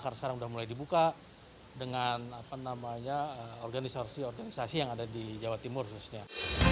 karena sekarang sudah mulai dibuka dengan organisasi organisasi yang ada di jawa timur khususnya